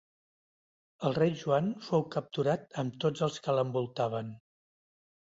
El rei Joan fou capturat amb tots els que l'envoltaven.